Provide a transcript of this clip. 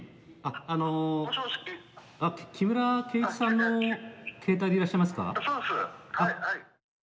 あの木村圭一さんの携帯でいらっしゃいますか？